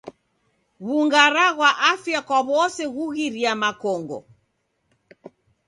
W'ungara ghwa afya kwa w'ose kughiria makongo.